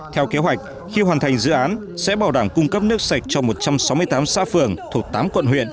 theo kế hoạch khi hoàn thành dự án sẽ bảo đảm cung cấp nước sạch cho một trăm sáu mươi tám xã phường thuộc tám quận huyện